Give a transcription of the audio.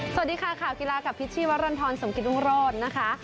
สวัสดีค่ะข่าวกีฬากับพิษชีวรรณฑรสมกิตรุงโรธนะคะ